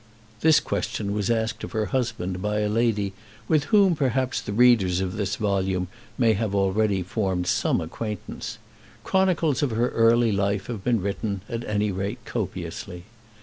This question was asked of her husband by a lady with whom perhaps the readers of this volume may have already formed some acquaintance. Chronicles of her early life have been written, at any rate copiously.